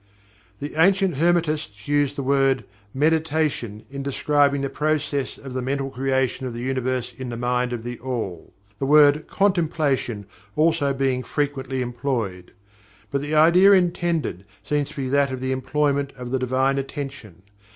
The ancient Hermetists use the word "Meditation" in describing the process of the mental creation of the Universe in the Mind of THE ALL, the word "Contemplation" also being frequently employed. But the idea intended seems to be that of the employment of the Divine Attention.